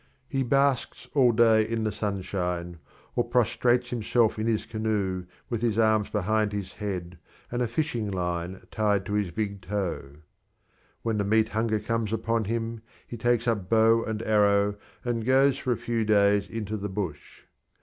He basks all day in the sunshine, or prostrates himself in his canoe with his arms behind his head and a fishing line tied to his big toe. When the meat hunger comes upon him he takes up bow and arrow and goes for a few days into the bush.